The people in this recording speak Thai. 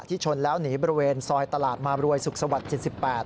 ชนแล้วหนีบริเวณซอยตลาดมารวยสุขสวัสดิ์๗๘